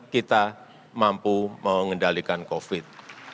kita mampu mengendalikan covid sembilan belas